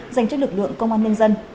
dành cho lực lượng công an nhân dân